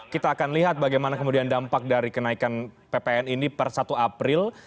kita akan lihat bagaimana kemudian dampak dari kenaikan ppn ini per satu april